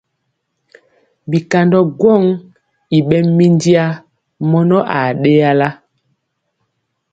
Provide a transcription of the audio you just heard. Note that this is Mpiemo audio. Bikandɔ gwɔŋ i ɓɛ minjiya mɔnɔ a ɗeyala.